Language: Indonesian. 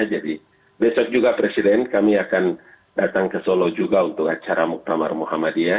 besok juga presiden kami akan datang ke solo juga untuk acara muktamar muhammadiyah